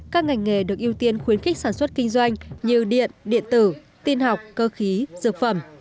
các ngành nghề được ưu tiên khuyến khích sản xuất kinh doanh như điện điện tử tin học cơ khí dược phẩm